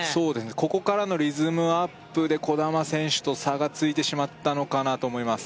ここからのリズムアップで兒玉選手と差がついてしまったのかなと思います